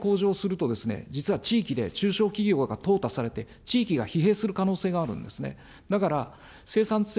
でも生産性の向上をすると、実は地域で、中小企業が淘汰されて、地域が疲弊する可能性があるんですね。